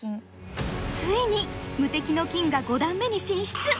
ついに無敵の金が五段目に進出。